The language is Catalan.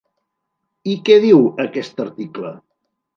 I què diu aquest article?